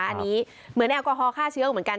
อันนี้เหมือนแอลกอฮอลฆ่าเชื้อเหมือนกัน